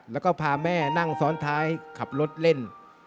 แล้วก็พาแม่นั่งซ้อนท้ายขับรถเล่น